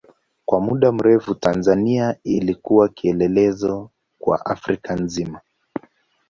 Kwa muda mrefu Tanzania ilikuwa kielelezo kwa Afrika nzima.